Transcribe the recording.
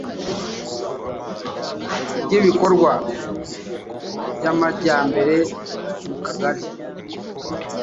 ry ibikorwa by amajyambere mu Kagari